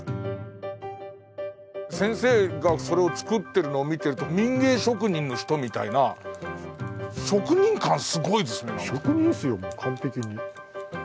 先生がそれを作ってるのを見てると民芸職人の人みたいな職人感すごいですね。